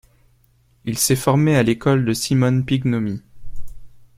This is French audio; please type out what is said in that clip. Il s'est formé à l'école de Simone Pignoni.